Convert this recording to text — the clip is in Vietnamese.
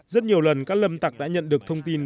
rất nhiều lần các lâm tặc đã nhận được thông tin